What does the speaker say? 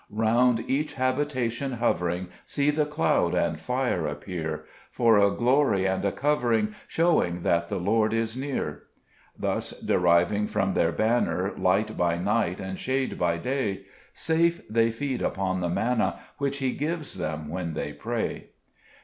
Round each habitation hovering, See the cloud and fire appear For a glory and a covering, Showing that the Lord is near : Thus deriving from their banner Light by night, and shade by day, Safe they feed upon the rnanna Which He gives them when they pray.